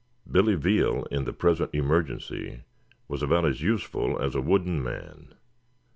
Billy Veal, in the present emergency, was about as useful as a wooden man.